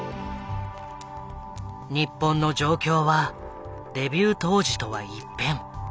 日本の状況はデビュー当時とは一変。